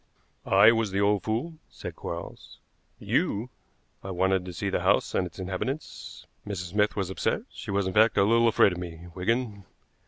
"I was the old fool," said Quarles. "You?" "I wanted to see the house and its inhabitants. Mrs. Smith was upset; she was, in fact, a little afraid of me, Wigan.